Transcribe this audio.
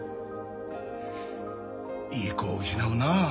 いい子を失うなあ。